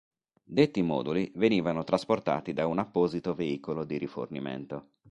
Detti moduli venivano trasportati da un apposito veicolo di rifornimento.